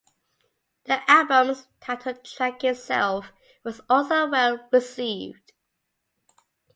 The album's title track itself was also well received.